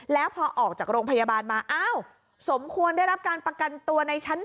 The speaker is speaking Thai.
แล้วพอออกจากโรงพยาบาลมาอ้าว